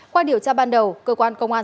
qua điều tra ban đầu cơ quan công an